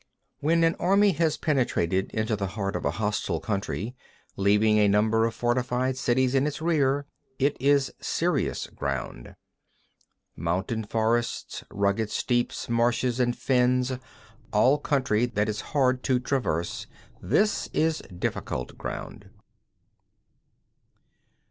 7. When an army has penetrated into the heart of a hostile country, leaving a number of fortified cities in its rear, it is serious ground. 8. Mountain forests, rugged steeps, marshes and fens—all country that is hard to traverse: this is difficult ground.